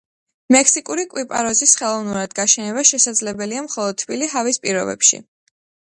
მექსიკური კვიპაროზის ხელოვნურად გაშენება შესაძლებელია მხოლოდ თბილი ჰავის პირობებში.